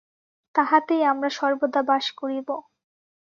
তাঁহাতেই আমরা সর্বদা বাস করিব।